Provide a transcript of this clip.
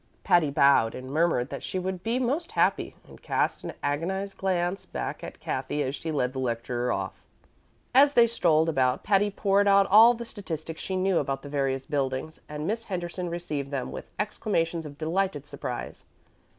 Patty bowed and murmured that she would be most happy, and cast an agonized glance back at Cathy as she led the lecturer off. As they strolled about, Patty poured out all the statistics she knew about the various buildings, and Miss Henderson received them with exclamations of delighted surprise.